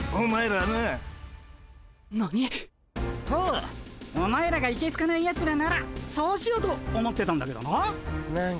とお前らがいけすかないやつらならそうしようと思ってたんだけどな。